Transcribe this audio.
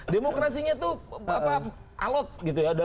demokrasinya itu alot gitu ya